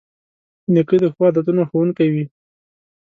نیکه د ښو عادتونو ښوونکی وي.